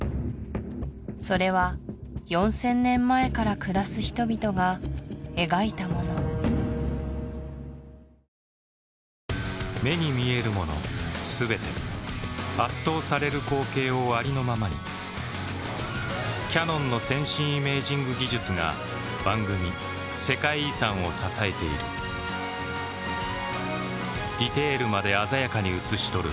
それは４０００年前から暮らす人々が描いたもの目に見えるもの全て圧倒される光景をありのままにキヤノンの先進イメージング技術が番組「世界遺産」を支えているディテールまで鮮やかに映し撮る